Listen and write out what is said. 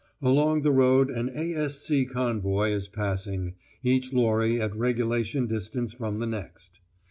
Along the road an A.S.C. convoy is passing, each lorry at regulation distance from the next.